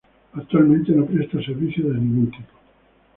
Actualmente, no presta servicios de ningún tipo.